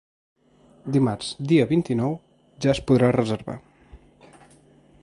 Dimarts, dia vint-i-nou, ja es podrà reservar.